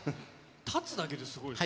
立つだけですごいですよね。